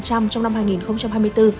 trong năm hai nghìn hai mươi bốn